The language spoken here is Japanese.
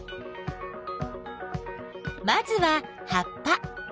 まずは葉っぱ。